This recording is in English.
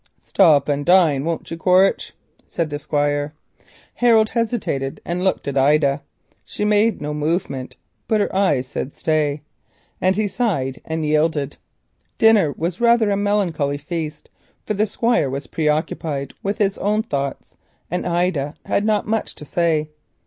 "Stop and dine, won't you, Quaritch?" said the Squire. Harold hesitated and looked at Ida. She made no movement, but her eyes said "stay," and he sighed and yielded. Dinner was rather a melancholy feast, for the Squire was preoccupied with his own thoughts, and Ida had not much to say.